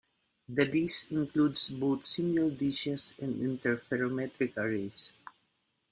The list includes both single dishes and interferometric arrays.